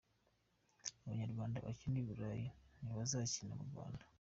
Abanyarwanda bakina i Burayi ntibazakina murwanda